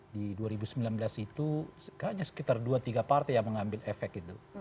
di dua ribu sembilan belas itu hanya sekitar dua tiga partai yang mengambil efek itu